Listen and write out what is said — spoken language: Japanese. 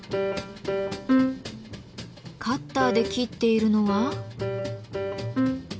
カッターで切っているのは？